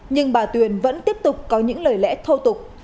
nhưng bà tuyền vẫn tiếp tục có những lời lẽ thô tục